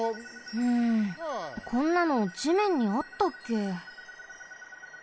うんこんなの地面にあったっけ？